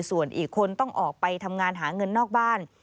ส่วนอีกคนต้องออกไปทำงานหาเงินนอกบ้าน